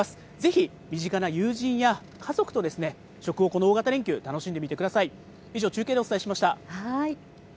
ぜひ身近な友人や家族と、食を、この大型連休、楽しんでみてください。